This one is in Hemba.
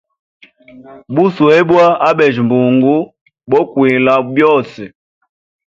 Buswe bwa abejya mbungu bokwila byose.